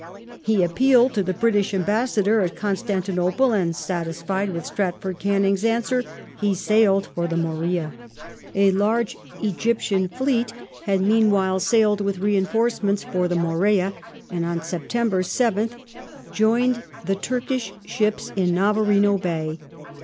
He appealed to the British ambassador at Constantinople and, satisfied with Stratford Canning's answer, he sailed for the Morea. A large Egyptian fleet had meanwhile sailed with reinforcements for the Morea, and on September 7th joined the Turkish ships in Navarino Bay.